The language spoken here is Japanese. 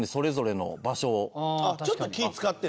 ちょっと気ぃ使ってる。